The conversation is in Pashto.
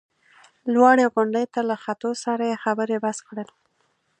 لوړې غونډۍ ته له ختو سره یې خبرې بس کړل.